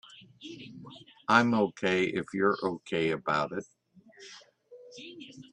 I'm OK if you're OK about it.